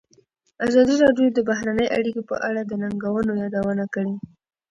ازادي راډیو د بهرنۍ اړیکې په اړه د ننګونو یادونه کړې.